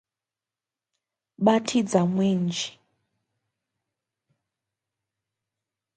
For a complete list of integral functions, see list of integrals.